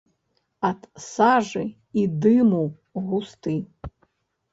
Ад сажы і дыму густы.